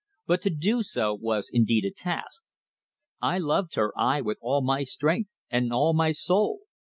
But to do so was indeed a task. I loved her, aye, with all my strength, and all my soul.